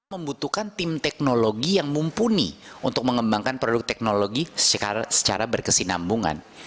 membutuhkan tim teknologi yang mumpuni untuk mengembangkan produk teknologi secara berkesinambungan